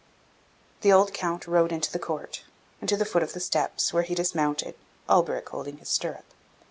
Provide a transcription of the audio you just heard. The old Count rode into the court, and to the foot of the steps, where he dismounted, Alberic holding his stirrup.